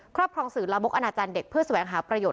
ครอบครองสื่อระมกอนาจารย์เด็ก